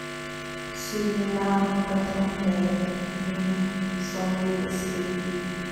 Suimilam pathum le minit sawmli a si.